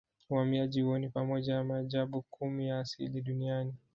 Uhamiaji huo ni moja ya maajabu kumi ya asili Duniani